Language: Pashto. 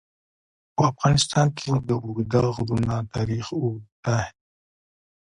په افغانستان کې د اوږده غرونه تاریخ اوږد دی.